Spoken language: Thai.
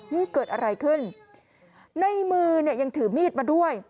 นี่เกิดอะไรขึ้นในมือเนี่ยยังถือมีดมาด้วย